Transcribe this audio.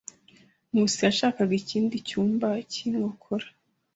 Nkusi yashakaga ikindi cyumba cy'inkokora.